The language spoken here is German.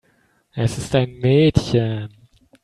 Es ist ein Mädchen.